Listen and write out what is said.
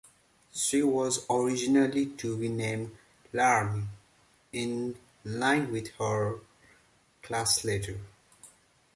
She was originally to be named "Larne" in line with her class letter.